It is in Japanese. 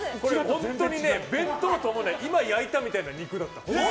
本当に弁当とは思えない今焼いたみたいな肉だった。